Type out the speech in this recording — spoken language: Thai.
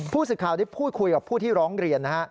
ผู้สื่อข่าวได้พูดคุยกับผู้ที่ร้องเรียนนะฮะ